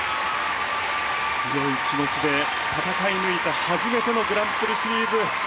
強い気持ちで戦い抜いた初めてのグランプリシリーズ。